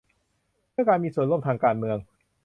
เพื่อการมีส่วนร่วมทางการเมือง